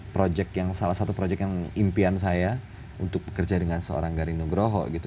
projek yang salah satu projek yang impian saya untuk bekerja dengan seorang garinu groho gitu